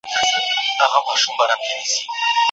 ميرمن په سفر کي کوم حقوق لري؟